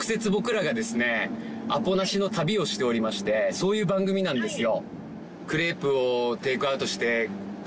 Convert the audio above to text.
そういう番組なんですよ。